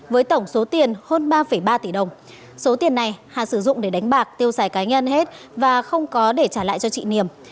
với tổng số tiền hơn ba ba tỷ đồng số tiền này hà sử dụng để đánh bạc tiêu xài cá nhân hết và không có để trả lại cho chị niềm